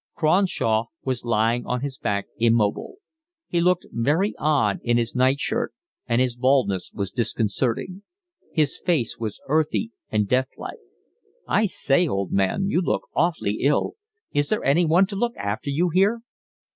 Cronshaw was lying on his back immobile; he looked very odd in his nightshirt; and his baldness was disconcerting. His face was earthy and death like. "I say, old man, you look awfully ill. Is there anyone to look after you here?"